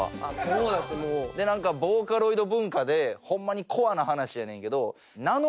ボーカロイド文化でホンマにコアな話やねんけど。